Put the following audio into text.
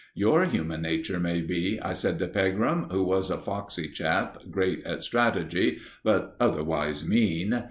"Your human nature may be," I said to Pegram, who was a foxy chap, great at strategy, but otherwise mean.